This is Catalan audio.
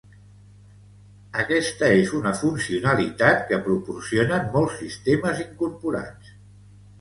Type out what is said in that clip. Aquesta és una funcionalitat que proporcionen molts sistemes incorporats.